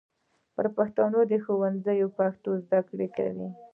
بر پښتون د ښوونځي پښتو زده کوي.